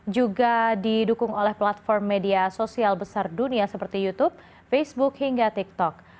juga didukung oleh platform media sosial besar dunia seperti youtube facebook hingga tiktok